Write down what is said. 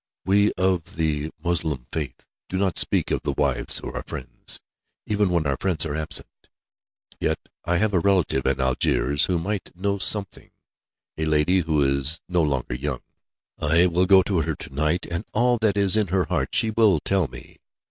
"We of the Mussulman faith do not speak of the wives of our friends, even when our friends are absent. Yet I have a relative in Algiers who might know something, a lady who is no longer young. I will go to her to night, and all that is in her heart she will tell me.